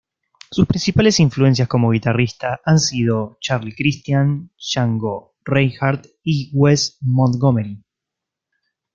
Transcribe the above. Sus principales influencias como guitarrista han sido Charlie Christian, Django Reinhardt y Wes Montgomery.